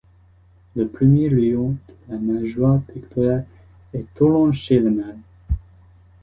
Le premier rayon de la nageoire pectorale est orange chez le mâle.